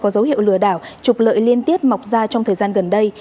có dấu hiệu lừa đảo trục lợi liên tiếp mọc ra trong thời gian gần đây